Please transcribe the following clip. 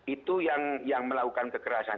itu yang melakukan kekerasan